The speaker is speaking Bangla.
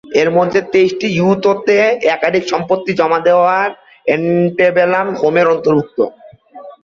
এর মধ্যে তেইশটি ইউতোতে একাধিক সম্পত্তি জমা দেওয়ার অ্যান্টেবেলাম হোমের অন্তর্ভুক্ত।